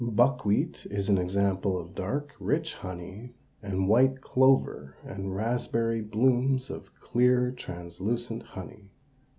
Buckwheat is an example of dark, rich honey and white clover and raspberry blooms of clear, translucent honey.